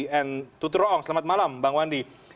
dan tuturong selamat malam bang wandi